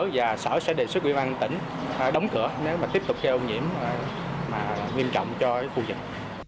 và sở sẽ đề xuất quỹ ban tỉnh đóng cửa nếu mà tiếp tục gây ô nhiễm nghiêm trọng cho khu vực